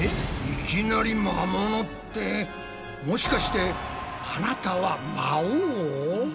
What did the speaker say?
いきなり魔物ってもしかしてあなたは魔王？